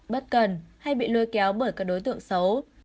bất cần hay bị lôi kéo bởi các đối tượng xấu